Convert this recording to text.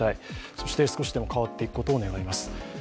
そして少しでも変わっていくことを願います。